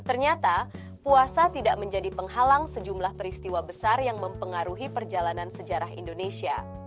ternyata puasa tidak menjadi penghalang sejumlah peristiwa besar yang mempengaruhi perjalanan sejarah indonesia